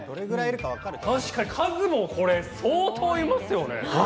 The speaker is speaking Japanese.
確かに数もこれ、相当いますよね。